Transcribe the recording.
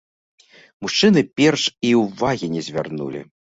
Мужчыны перш і ўвагі не звярнулі.